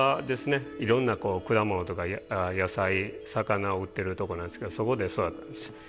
いろんな果物とか野菜魚を売ってるとこなんですけどそこで育ったんです。